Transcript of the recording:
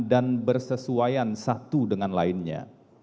bersesuaian satu dengan lainnya